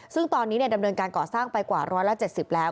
ซึ่งตอนนี้ดำเนินการก่อสร้างไปกว่า๑๗๐แล้ว